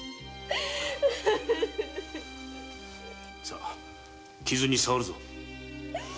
さあ傷にさわるぞ。